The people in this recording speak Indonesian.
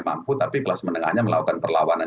mampu tapi kelas menengahnya melakukan perlawanan